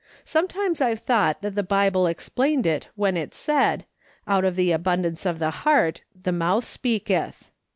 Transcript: Sometimes I've thought that the Bible ex plained it when it said, ' Out of the abundance of the heart the mouth speaketh.'